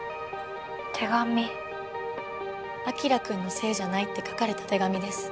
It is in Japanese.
「晶くんのせいじゃない」って書かれた手紙です。